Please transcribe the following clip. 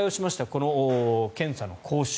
この検査の講習。